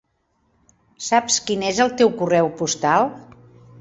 Saps quin és el teu correu postal?